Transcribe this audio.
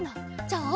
じゃああ